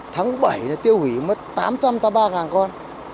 tháng bảy tiêu hủy mất tám trăm tám mươi ba con